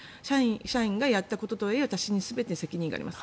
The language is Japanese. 社員がやったこととはいえ私に全て責任があります